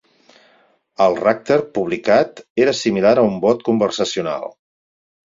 El Racter publicat era similar a un bot conversacional.